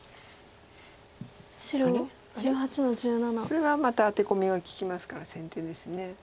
それはまたアテコミが利きますから先手です。